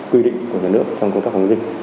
quy định của nước trong công tác phòng dịch